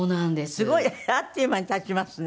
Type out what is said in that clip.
すごい！あっという間に経ちますね。